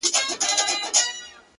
چـي اخترونـه پـه واوښـتــل”